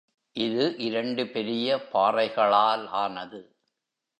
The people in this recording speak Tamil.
இது இரண்டு பெரிய பாறைகளாலானது.